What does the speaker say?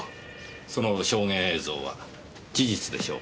その証言映像は事実でしょうか？